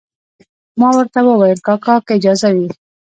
ما ورته وویل کاکا که اجازه وي.